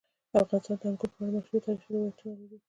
افغانستان د انګور په اړه مشهور تاریخی روایتونه لري.